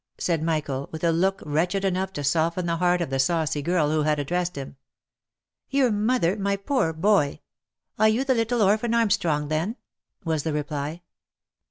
said Michael, with a look wretched enough to soften the heart of the saucy girl who had addressed him. " Your mother, my poor boy ? Are you the little orphan Armstrong, then ?" was the reply.